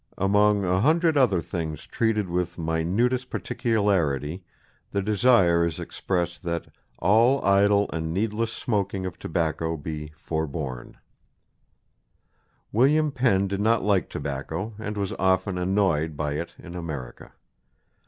Among a hundred other things treated with minutest particularity, the desire is expressed that "all Idle and needless Smoaking of Tobacco be forborn." William Penn did not like tobacco and was often annoyed by it in America.